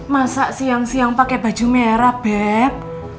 masa siang siang pakai baju merah beb